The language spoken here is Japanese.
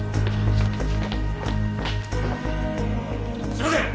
すみません！